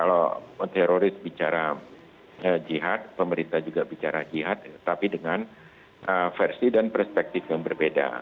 program kontra wacana jadi kalau teroris bicara jihad pemerintah juga bicara jihad tapi dengan versi dan perspektif yang berbeda